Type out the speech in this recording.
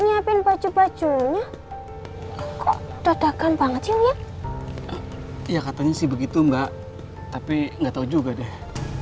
nyiapin baju pacu dadakan banget ini ya katanya sih begitu mbak tapi nggak tahu juga deh